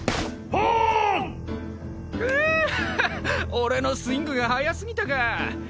俺のスイングが速すぎたかぁ！